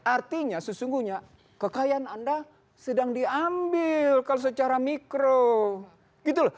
artinya sesungguhnya kekayaan anda sedang diambil kalau secara mikro